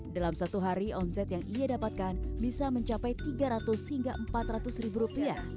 dalam satu hari omset yang ia dapatkan bisa mencapai rp tiga ratus hingga empat ratus ribu rupiah